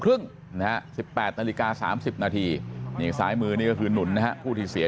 ครึ่ง๑๘นาฬิกา๓๐นาทีสายมือนี่ก็คือหนุ่มนะครับผู้ที่เสีย